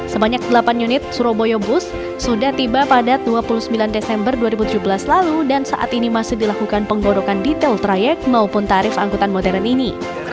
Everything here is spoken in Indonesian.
sebanyak delapan unit surabaya bus sudah tiba pada dua puluh sembilan desember dua ribu tujuh belas lalu dan saat ini masih dilakukan penggorokan detail trayek maupun tarif angkutan modern ini